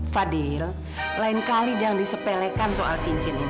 fadil lain kali jangan disepelekan soal cincin ini